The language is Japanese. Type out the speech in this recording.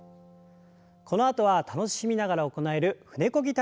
このあとは楽しみながら行える舟こぎ体操です。